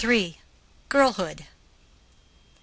GIRLHOOD. Mrs.